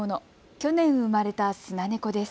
去年生まれたスナネコです。